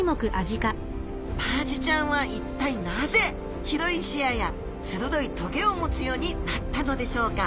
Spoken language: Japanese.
マアジちゃんは一体なぜ広い視野や鋭い棘を持つようになったのでしょうか？